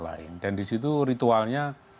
lain dan disitu ritualnya